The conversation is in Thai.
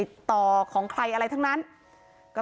มีแต่เสียงตุ๊กแก่กลางคืนไม่กล้าเข้าห้องน้ำด้วยซ้ำ